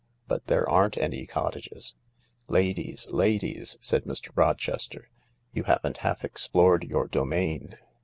" But there aren't any cottages I " "Ladies, ladies," said Mr. Rochester, "you haven't half explored your domain.